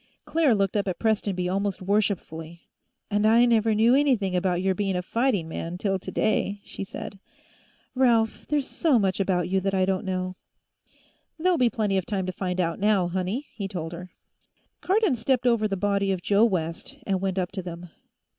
Claire looked up at Prestonby almost worshipfully. "And I never knew anything about your being a fighting man, till today," she said. "Ralph, there's so much about you that I don't know." "There'll be plenty of time to find out, now, honey," he told her. Cardon stepped over the body of Joe West and went up to them.